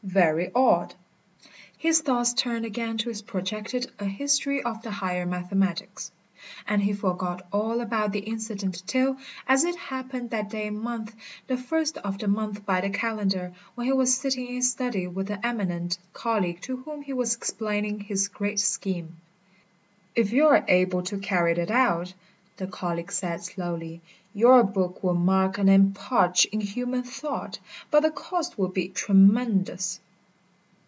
"Very odd!" His thoughts turned again to his projected "A History of the Higher Mathematics," and he forgot all about the incident till, as it happened that day month, the first of the month by the calendar, when he was sitting in his study with an eminent colleague to whom he was explaining his great scheme. "If you are able to carry it out," the colleague said slowly, "your book will mark an epoch in human thought. But the cost will be tremendous."